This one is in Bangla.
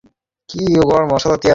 এইসব ব্যবস্থা সারতে রাতদুপুর হয়ে গেল।